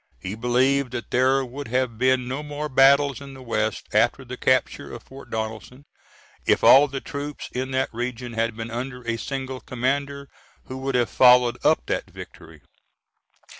He believed that there would have been no more battles in the West after the capture of Fort Donelson if all the troops in that region had been under a single commander who would have followed up that victory.